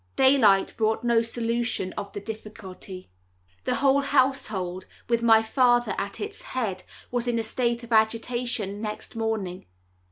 Daylight brought no solution of the difficulty. The whole household, with my father at its head, was in a state of agitation next morning.